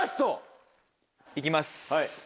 行きます。